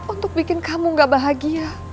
untuk bikin kamu gak bahagia